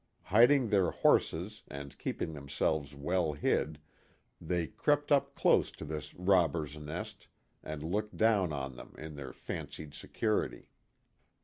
Hiding their horses and keeping themselves well hid they crept up close to this robbers' nest and looked down on them in their fancied security.